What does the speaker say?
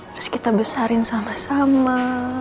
terus kita besarin sama sama